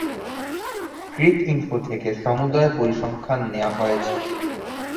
Cricinfo থেকে সমূদয় পরিসংখ্যান নেয়া হয়েছে।